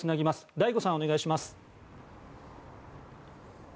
醍醐さん、お願いします。